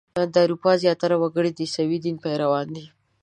د اروپا زیاتره وګړي د عیسوي دین پیروان دي.